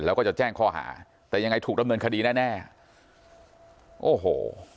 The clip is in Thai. แล้วก็จะแจ้งข้อหาแต่ยังไงถูกดำเนินคดีแน่แน่โอ้โห